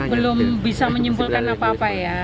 belum bisa menyimpulkan apa apa ya